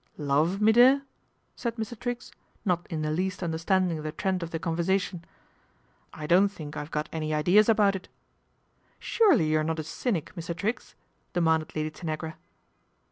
"Love, me dear?" said Mr. Triggs, not in th least understanding the trend of the conversa tion. " I don't think I've got any ideas about it. " Surely you are not a cynic. Mr. Triggs, demanded Lady Tanagra.